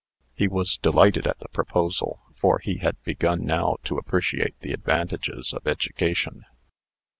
He was delighted at the proposal, for he had begun now to appreciate the advantages of education.